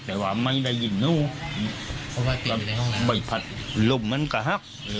แต่ว่าไม่ได้ยินนู้นไปผัดลมมันกะฮัก